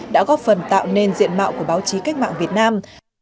đã góp phần tạo nên diện mạo của báo chí cách mạng việt nam